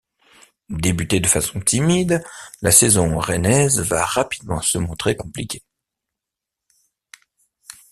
Débutée de façon timide, la saison rennaise va rapidement se montrer compliquée.